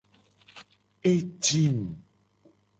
E jim.